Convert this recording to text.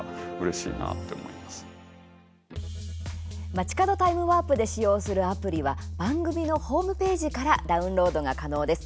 「まちかどタイムワープ」で使用するアプリは番組のホームページからダウンロードが可能です。